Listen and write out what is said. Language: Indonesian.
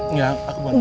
nggak aku bantu